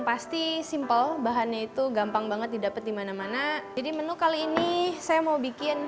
pasti simple bahannya itu gampang banget didapat dimana mana jadi menu kali ini saya mau bikin